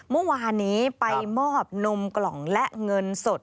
เมื่อวานนี้ไปมอบนมกล่องและเงินสด